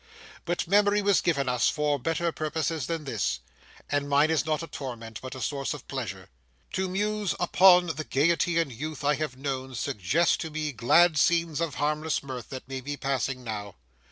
But memory was given us for better purposes than this, and mine is not a torment, but a source of pleasure. To muse upon the gaiety and youth I have known suggests to me glad scenes of harmless mirth that may be passing now.